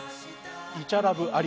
イチャラブあり。